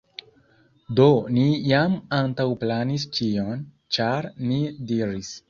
Do ni jam antaŭplanis ĉion, ĉar ni diris